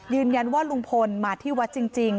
ยืนยันว่าลุงพลมาที่วัดจริง